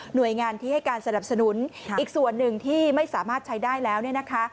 โดยงานที่ให้การสนับสนุนอีกส่วนหนึ่งที่ไม่สามารถใช้ได้แล้วเนี่ยนะคะ